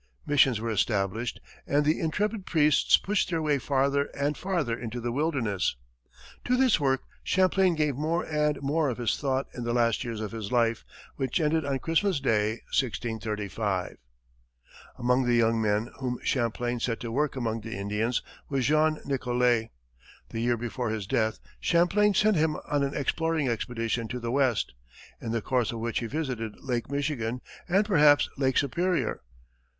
Missions were established, and the intrepid priests pushed their way farther and farther into the wilderness. To this work, Champlain gave more and more of his thought in the last years of his life, which ended on Christmas day, 1635. Among the young men whom Champlain set to work among the Indians was Jean Nicolet. The year before his death, Champlain sent him on an exploring expedition to the west, in the course of which he visited Lake Michigan and perhaps Lake Superior.